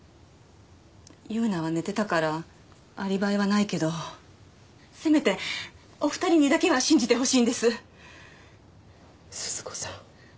優奈は寝てたからアリバイはないけどせめてお２人にだけには信じてほしいんです鈴子さん